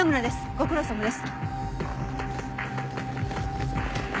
ご苦労さまです。